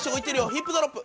ヒップドロップ！